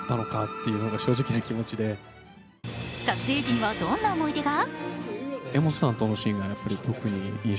撮影時には、どんな思い出が？